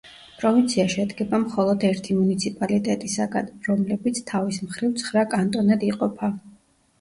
პროვინცია შედგება მხოლოდ ერთი მუნიციპალიტეტისაგან, რომლებიც თავის მხრივ ცხრა კანტონად იყოფა.